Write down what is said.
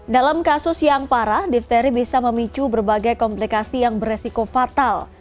dalam kasus yang parah difteri bisa memicu berbagai komplikasi yang beresiko fatal